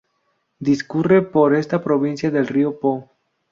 Discurre por esta provincia el río Po.